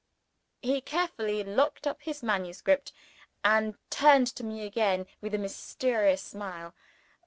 He carefully locked up his manuscript, and turned to me again with a mysterious smile.